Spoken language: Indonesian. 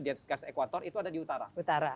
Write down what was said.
di atas gas ekuator itu ada di utara utara